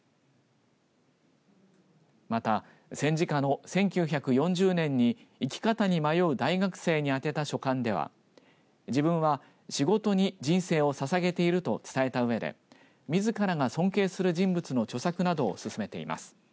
また戦時下の１９４０年に生き方に迷う大学生に宛てた書簡では自分は仕事に人生をささげていると伝えたうえでみずからが尊敬する人物の著作などを勧めています。